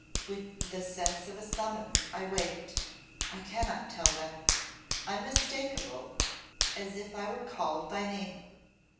With the sense of a summons I waked I cannot tell when. Unmistakable, as if I were called by name.